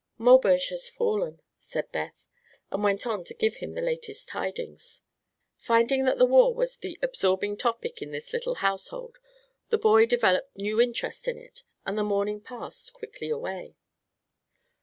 "Maubeuge has fallen," said Beth, and went on to give him the latest tidings. Finding that the war was the absorbing topic in this little household, the boy developed new interest in it and the morning passed quickly away.